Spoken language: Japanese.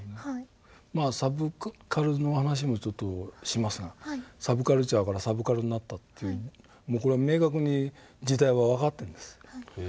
まあサブカルの話もちょっとしますがサブカルチャーからサブカルになったというもうこれは明確に時代は分かってるんです。